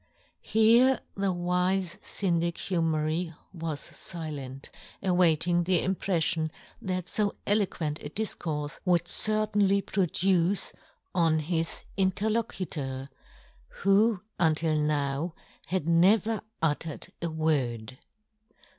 " Here the wife Syndic Humery was filent, awaiting the im preffion that fo eloquent a difcourfe would certainly produce on his in terlocutor, who until now had never uttered a word.